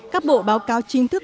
các bộ báo cáo chính thức